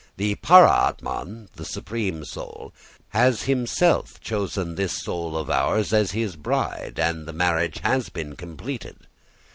The paramātman, the supreme soul, has himself chosen this soul of ours as his bride and the marriage has been completed.